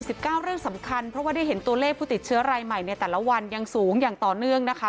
สิบเก้าเรื่องสำคัญเพราะว่าได้เห็นตัวเลขผู้ติดเชื้อรายใหม่ในแต่ละวันยังสูงอย่างต่อเนื่องนะคะ